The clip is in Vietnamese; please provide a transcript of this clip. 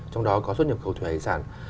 trong đó có xuất nhập khẩu thuế sản